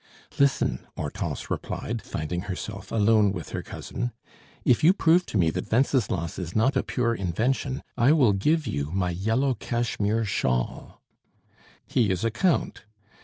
"Listen," Hortense replied, finding herself alone with her cousin, "if you prove to me that Wenceslas is not a pure invention, I will give you my yellow cashmere shawl." "He is a Count."